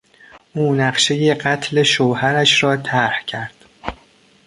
او نقشهی قتل شوهرش را طرح کرد.